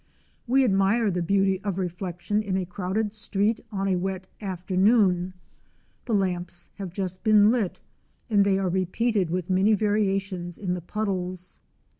'* We admire the beauty of reflection in a crowded street on a wet afternoon. The lamps have just been lit, and they are repeated with many variations in the puddles.